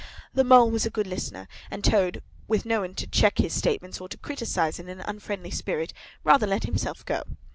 The Mole was a good listener, and Toad, with no one to check his statements or to criticise in an unfriendly spirit, rather let himself go.